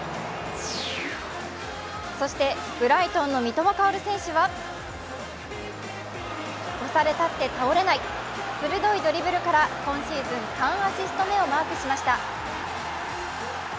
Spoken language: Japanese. そしてブライトンの三笘薫選手は押されたって倒れない、鋭いドリブルから今シーズン３アシスト目をマークしました。